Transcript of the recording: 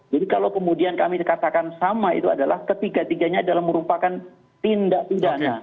kalau kemudian kami katakan sama itu adalah ketiga tiganya adalah merupakan tindak pidana